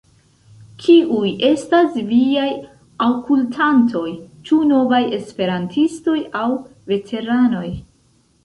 Kiuj estas viaj aŭkultantoj, ĉu novaj esperantistoj aŭ veteranoj?